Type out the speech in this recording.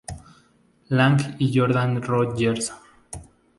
Lang y Jordan Rodgers